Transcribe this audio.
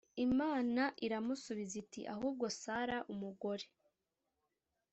Imana iramusubiza iti Ahubwo Sara umugore